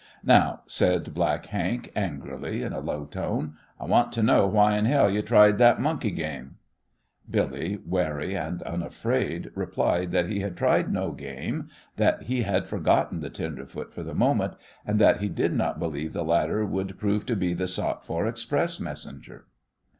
"Now," said Black Hank, angrily, in a low tone, "I want to know why in hell you tried that monkey game!" Billy, wary and unafraid, replied that he had tried no game, that he had forgotten the tenderfoot for the moment, and that he did not believe the latter would prove to be the sought for express messenger.